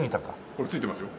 これついてますよ。